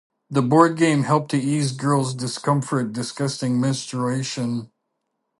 The board game helped to ease girls’ discomfort discussing menstruation.